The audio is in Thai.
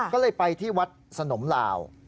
ก็เลยไปที่วัดสนมลาว